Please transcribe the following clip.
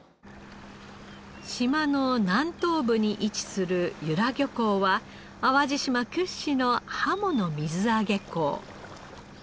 島の南東部に位置する由良漁港は淡路島屈指のハモの水揚げ港。